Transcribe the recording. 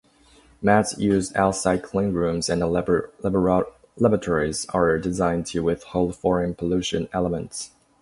Mats used outside clean rooms and laboratories are designed to withhold foreign pollution elements.